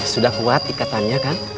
sudah kuat ikatannya kan